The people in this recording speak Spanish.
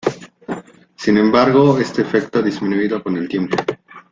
Sin embargo, este efecto ha disminuido con el tiempo.